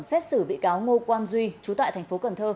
xét xử bị cáo ngô quan duy chú tại tp cn